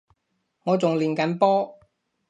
我仲練緊波